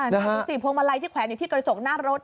ใช่สี่พวงมาลังค์ที่แขวนนี่ที่กระจกหน้ารถ